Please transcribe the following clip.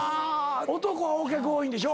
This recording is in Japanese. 男はＯ脚多いんでしょ？